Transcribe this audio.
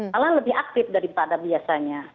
malah lebih aktif daripada biasanya